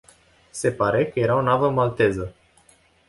Se pare că era o navă malteză.